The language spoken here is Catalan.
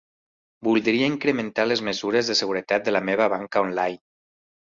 Voldria incrementar les mesures de seguretat de la meva banca online.